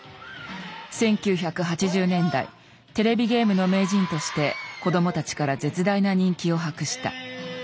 １９８０年代テレビゲームの名人として子供たちから絶大な人気を博した。